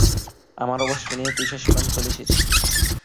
আমরা অবশেষে নিয়তির শেষ প্রান্তে চলে এসেছি!